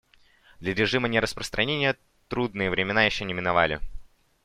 Для режима нераспространения трудные времена еще не миновали.